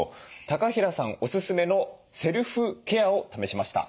高平さんおすすめのセルフケアを試しました。